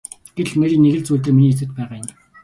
Гэтэл Мэри нэг л зүйл дээр миний эсрэг байгаа юм.